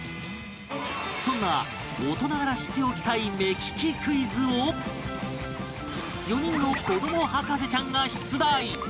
そんな大人なら知っておきたい目利きクイズを４人の子ども博士ちゃんが出題